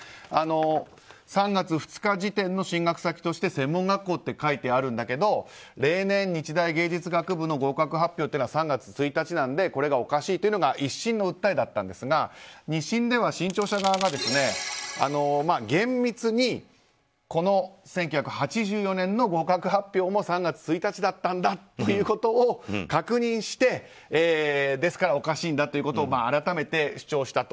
３月２日時点の進学先として専門学校って書いてあるんだけど例年、日大芸術学部の合格発表は３月１日なのでこれが、おかしいというのが１審の訴えだったんですが２審では新潮社側が厳密にこの１９８４年の合格発表も３月１日だったんだということを確認して、ですからおかしいんだということを改めて主張したと。